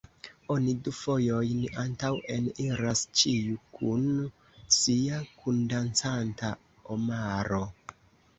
Oni du fojojn antaŭen iras, ĉiu kun sia kundancanta omaro.